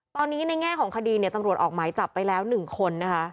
ตอนนี้ในแง่ของคดีเนี่ยตำรวจออกหมายจับไปแล้ว๑คนนะคะ